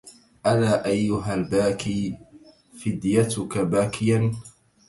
ألا أيها الباكي فديتك باكيا